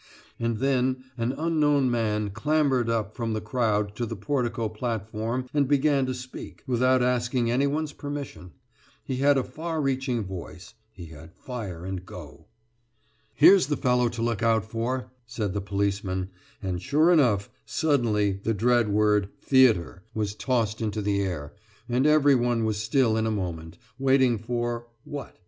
And then an unknown man clambered up from the crowd to the portico platform and began to speak, without asking any one's permission. He had a far reaching voice he had fire and go. "Here's the fellow to look out for!" said the policemen; and, sure enough, suddenly the dread word "theatre" was tossed into the air, and every one was still in a moment, waiting for what?